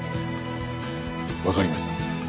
分かりました。